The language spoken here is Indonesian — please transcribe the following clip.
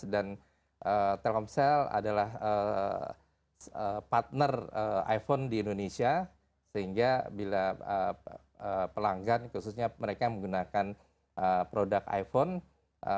dan telkomsel adalah partner iphone di indonesia sehingga bila pelanggan khususnya mereka yang menggunakan produk iphone